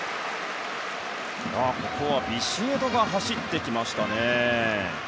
ビシエドが走ってきましたね。